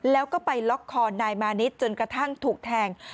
แล้วก็ไปล็อกคอนายมานิดจนกระทั่งถูกแทง